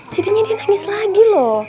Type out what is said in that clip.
sejadinya dia nangis lagi